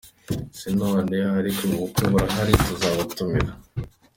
Si none aha ariko ubukwe burahari, tuzabatumira.